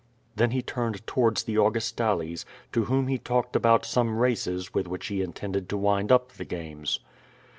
Then he turned towards the Augustales, to »vhom he talked about some races with which he intended to wind up the games.